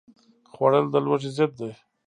خوړل د لوږې ضد دی